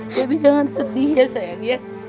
debbie jangan sedih ya sayang